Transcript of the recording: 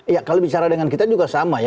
ya kalau bicara dengan kita juga sama ya